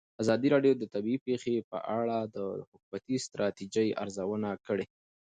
ازادي راډیو د طبیعي پېښې په اړه د حکومتي ستراتیژۍ ارزونه کړې.